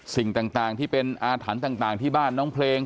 สิ่งต่างที่เป็นอาถรรพ์ต่างที่บ้านน้องเพลง